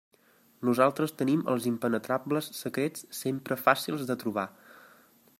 Nosaltres tenim els impenetrables secrets sempre fàcils de trobar.